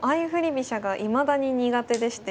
飛車がいまだに苦手でして。